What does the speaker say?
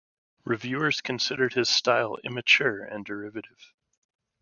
Reviewers considered his style immature and derivative.